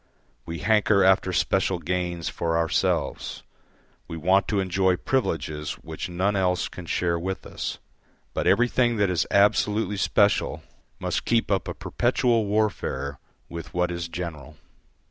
We hanker after special gains for ourselves, we want to enjoy privileges which none else can share with us. But everything that is absolutely special must keep up a perpetual warfare with what is general.